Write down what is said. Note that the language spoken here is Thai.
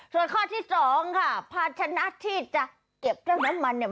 ส่วนข้อที่สองค่ะภาชนะที่จะเก็บเรื่องน้ำมันเนี่ย